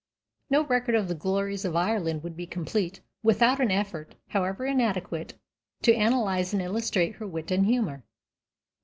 No record of the glories of Ireland would be complete without an effort, however inadequate, to analyze and illustrate her wit and humor.